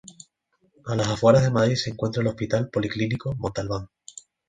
A las afueras de Madrid se encuentra el Hospital Policlínico Montalbán.